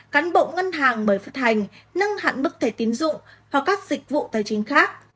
cán bộ ngân hàng mới phát hành nâng hẳn bức thể tiến dụng hoặc các dịch vụ tài chính khác